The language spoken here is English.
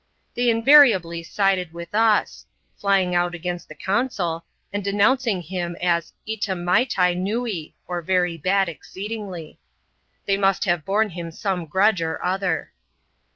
They invariably sided with us ; flying out against he consul, and denouncing him as " Ita maitai nuee," or very ad exceedingly. They must have borne him some grudge or ther.